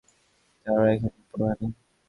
তারা এখানে পড়েনা।